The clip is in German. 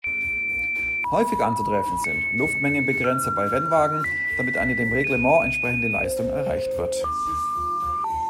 Häufig anzutreffen sind Luftmengenbegrenzer bei Rennwagen, damit eine dem Reglement entsprechende Leistung erreicht wird.